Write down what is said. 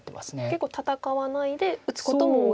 結構戦わないで打つことも多いですか。